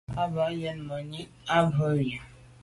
À bə α̂ wə Yə̂n mɛ̀n nî bə α̂ wə.